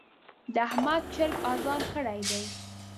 د احمد چرګ اذان کړی دی.